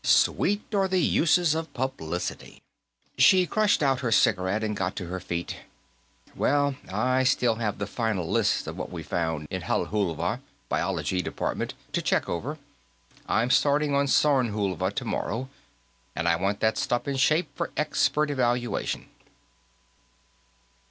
Sweet are the uses of publicity. She crushed out her cigarette and got to her feet. "Well, I still have the final lists of what we found in Halvhulva Biology department to check over. I'm starting on Sornhulva tomorrow, and I want that stuff in shape for expert evaluation."